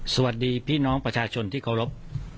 สวัสดีพี่น้องประชาชนที่เคารพ